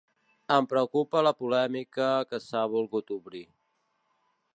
Em preocupa la polèmica que s’ha volgut obrir.